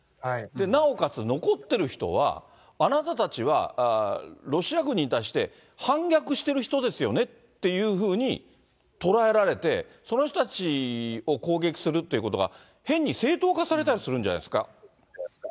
なおかつ、残ってる人は、あなたたちはロシア軍に対して、反逆している人ですよねっていうふうに捉えられて、その人たちを攻撃するということが、変に正当化されたりするんじゃないですか。